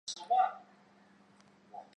提督旗移于靖远。